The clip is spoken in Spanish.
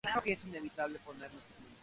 Habla á los hijos de Israel.